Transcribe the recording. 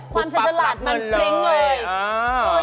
ความฉันฉลาดมันปริ๊งเลย